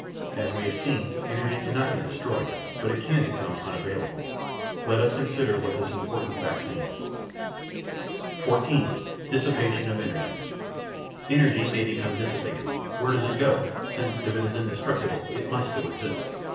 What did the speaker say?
As we have seen, energy cannot be destroyed, but it can become unavailable. Let us consider what this important fact means. § 14 Dissipation of Energy Energy may become dissipated. Where does it go? since if it is indestructible it must still exist.